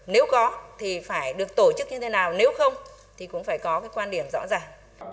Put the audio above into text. nếu có thì phải được tổ chức như thế nào nếu không thì cũng phải có cái quan điểm rõ ràng